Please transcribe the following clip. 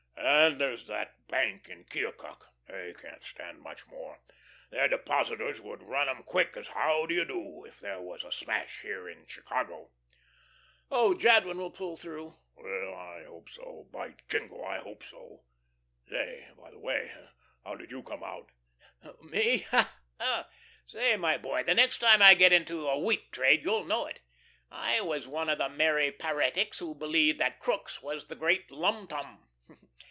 And there's that bank in Keokuk; they can't stand much more. Their depositors would run 'em quick as how do you do, if there was a smash here in Chicago." "Oh, Jadwin will pull through." "Well, I hope so by Jingo! I hope so. Say, by the way, how did you come out?" "Me! Hoh! Say my boy, the next time I get into a wheat trade you'll know it. I was one of the merry paretics who believed that Crookes was the Great Lum tum.